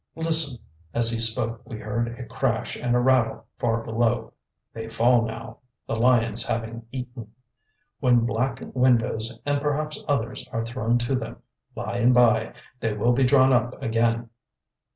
Listen," and as he spoke we heard a crash and a rattle far below. "They fall now, the lions having eaten. When Black Windows and perhaps others are thrown to them, by and by, they will be drawn up again."